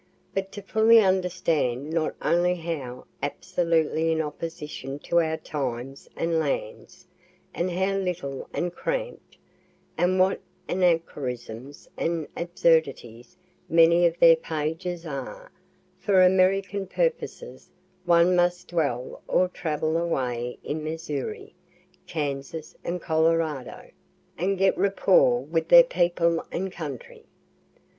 But to fully understand not only how absolutely in opposition to our times and lands, and how little and cramp'd, and what anachronisms and absurdities many of their pages are, for American purposes, one must dwell or travel awhile in Missouri, Kansas and Colorado, and get rapport with their people and country.